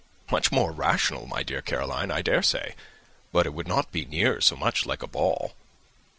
"Much more rational, my dear Caroline, I dare say; but it would not be near so much like a ball."